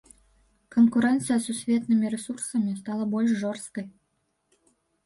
Канкурэнцыя з сусветнымі рэсурсамі стала больш жорсткай.